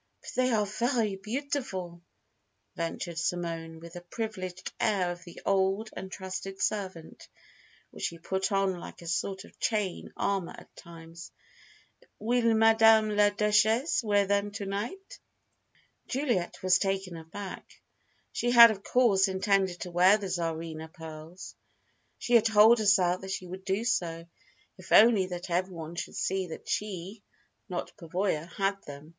"But they are very beautiful," ventured Simone with the privileged air of the old and trusted servant which she put on like a sort of chain armour at times. "Will Madame la Duchesse wear them to night?" Juliet was taken aback. She had, of course, intended to wear the Tsarina pearls. She had told herself that she would do so, if only that everyone should see that she, not Pavoya, had them.